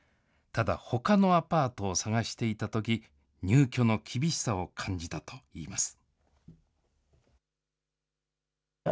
ただ、ほかのアパートを探していたとき、入居の厳しさを感じたといいます。